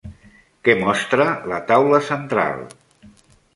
Què mostra la taula central?